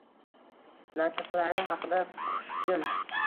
Natiqlari haqida qushshim